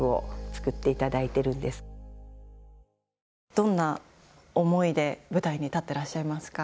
どんな思いで舞台に立ってらっしゃいますか？